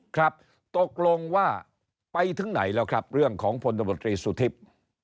ครับตกลงว่าไปถึงไหนแล้วครับเรื่องของพลตบตรีสุทิพย์